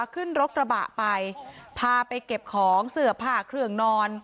ขึ้นรถกระบะไปพาไปเก็บของเสื้อผ้าเครื่องนอน